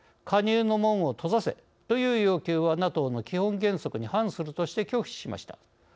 加入の門を閉ざせという要求はＮＡＴＯの基本原則に反するとして拒否しました。